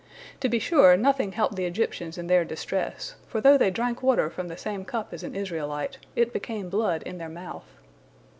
To be sure, nothing helped the Egyptians in their distress, for though they drank water from the same cup as an Israelite, it became blood in their mouth.